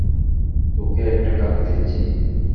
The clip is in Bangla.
তোকে একটা কাজ দিচ্ছি।